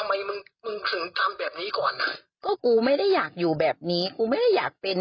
มึงพูดอย่างนั้นก็ไม่ให้มึงเลิกหรอก